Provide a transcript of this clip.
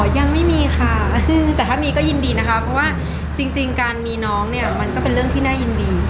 ยังไม่มีค่ะแต่ถ้ามีก็ยินดีนะคะเพราะว่าจริงการมีน้องเนี่ยมันก็เป็นเรื่องที่น่ายินดี